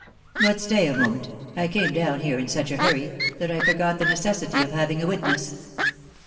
But stay a moment, I came down here in such a hurry, that I forgot the necessity of having a witness.